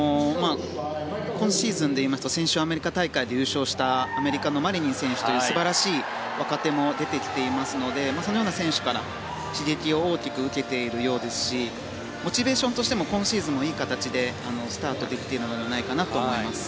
今シーズンで言いますと先週アメリカ大会で優勝したアメリカのマリニン選手という素晴らしい若手も出てきていますのでそのような選手から刺激を大きく受けているようですしモチベーションとしても今シーズンもいい形でスタートできてるのではないかと思います。